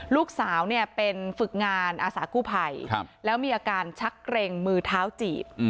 ลูกสาวเนี่ยเป็นฝึกงานอาสากู้ภัยแล้วมีอาการชักเกร็งมือเท้าจีบ